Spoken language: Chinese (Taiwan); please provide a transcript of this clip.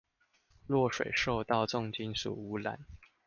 若水受到重金屬污染